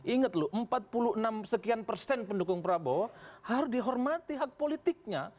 ingat lho empat puluh enam sekian persen pendukung prabowo harus dihormati hak politiknya